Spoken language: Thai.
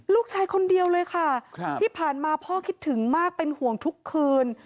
ลูกชายคนเดียวเลยค่ะที่ผ่านมาพ่อคิดถึงมากเป็นห่วงทุกคืน